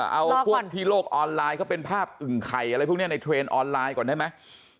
เอาพวกที่โลกออนไลน์เขาเป็นภาพอึ่งไข่อะไรพวกนี้ในเทรนด์ออนไลน์ก่อนได้ไหม